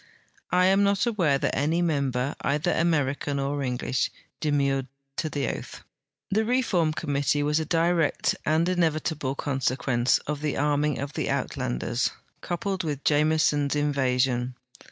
I am not aware that any member, either American or English, demurred to the oath. The reform committee was a direct and inevitable consequence of the arming of the Uitlanders, coui^led with Jameson's inva sion.